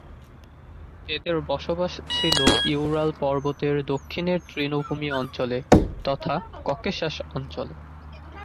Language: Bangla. এদের বসবাস ছিল ইউরাল পর্বতের দক্ষিণের তৃণভূমি অঞ্চলে তথা ককেশাস অঞ্চল।